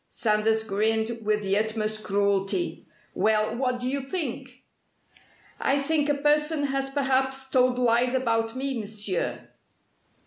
Sanders grinned with the utmost cruelty. "Well, what do you think?" "I think a person has perhaps told lies about me, Monsieur!"